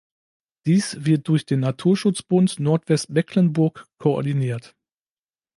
Dies wird durch den "Naturschutzbund Nordwestmecklenburg" koordiniert.